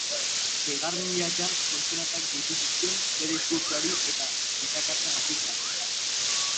Seigarren hilabetean, kontsonanteak gehitu zizkion bere diskurtsoari eta zizakatzen hasi zen.